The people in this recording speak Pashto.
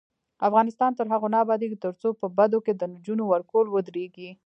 افغانستان تر هغو نه ابادیږي، ترڅو په بدو کې د نجونو ورکول ودریږي.